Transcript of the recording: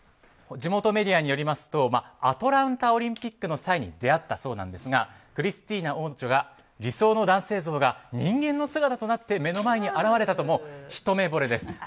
地元メディアによりますとアトランタオリンピックの際に出会ったそうなんですがクリスティーナ王女が理想の男性像が人間の姿となって目の前に現れたとひと目ぼれです。